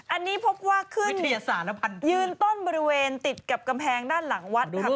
อันนี้พบว่าขึ้นสารพันธ์ยืนต้นบริเวณติดกับกำแพงด้านหลังวัดนะครับ